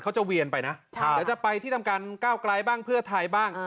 เวียนไปนะเดี๋ยวจะไปที่ทำการก้าวไกลบ้างเพื่อไทยบ้าง